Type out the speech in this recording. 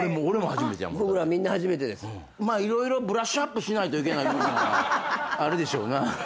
まあ色々ブラッシュアップしないといけない部分はあるでしょうな。